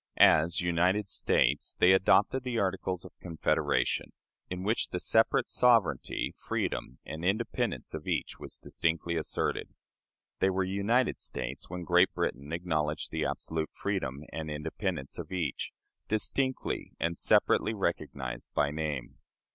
As "United States" they adopted the Articles of Confederation, in which the separate sovereignty, freedom, and independence of each was distinctly asserted. They were "united States" when Great Britain acknowledged the absolute freedom and independence of each, distinctly and separately recognized by name.